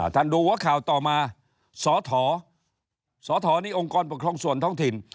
ท่านดูว่าข่าวต่อมาสอทสอทนี่องค์กรปกครองส่วนท้องถิ่น